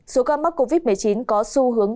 số ca mắc covid một mươi chín có xu hướng